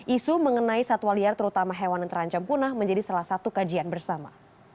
isu mengenai satwa liar terutama hewan yang terancam punah menjadi salah satu kajian bersama